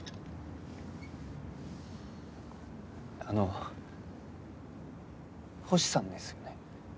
あの星さんですよね？